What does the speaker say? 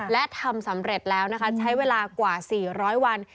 และทำสำเร็จแล้วนะคะใช้เวลากว่า๔๐๐วัน